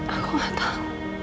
aku gak tau